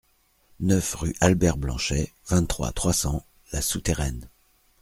neuf rue Albert Blanchet, vingt-trois, trois cents, La Souterraine